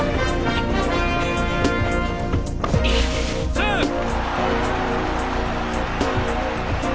セーフ！